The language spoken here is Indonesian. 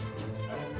jangan lama ya